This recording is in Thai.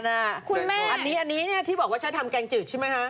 อันนี้ที่บอกว่าใช้ทำแกงจืดใช่ไหมคะ